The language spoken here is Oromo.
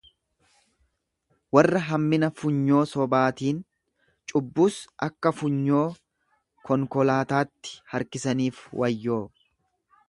Warra hammina funyoo sobaatiin, cubbuus akka funyoo konkolaataatti harkisaniif wayyoo!